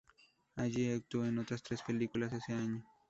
Allí actuó en otras tres películas ese año.